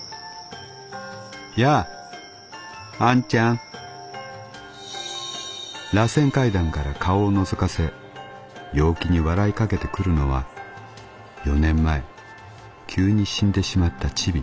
「『やああんちゃん』螺旋階段から顔をのぞかせ陽気に笑いかけてくるのは４年前急に死んでしまったチビ。